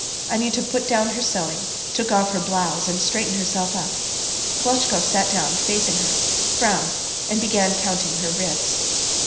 Anyuta put down her sewing, took off her blouse, and straightened herself up. Klotchkov sat down facing her, frowned, and began counting her ribs.